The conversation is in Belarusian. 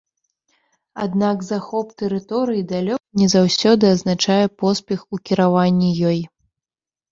Аднак захоп тэрыторыі далёка не заўсёды азначае поспех у кіраванні ёй.